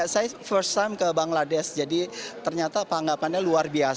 saya pertama kali ke bangladesh jadi ternyata panggapannya luar biasa